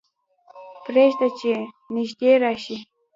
پرېږده چې نږدې راشي.